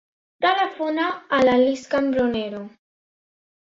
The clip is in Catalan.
Telefona a la Lis Cambronero.